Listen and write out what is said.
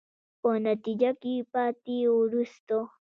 په نتیجه کې پاتې، وروستو.